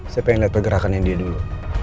saya pengen lihat pergerakannya dia dulu